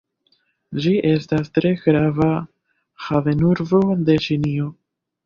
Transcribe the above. Ĝi estas tre grava havenurbo de Ĉinio.